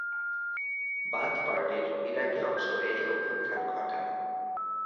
Bath পার্টির ইরাকি অংশ এই অভ্যুত্থান ঘটায়।